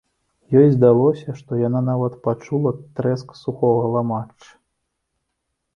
Ёй здалося, што яна нават пачула трэск сухога ламачча.